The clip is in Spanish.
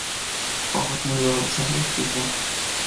Ojos muy dorsales y juntos.